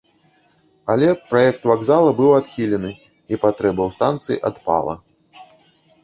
Але праект вакзала быў адхілены, і патрэба ў станцыі адпала.